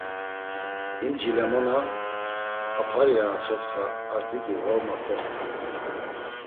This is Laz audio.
Him cilemona, aparya a sotxa, ar didi ğorma kort̆u.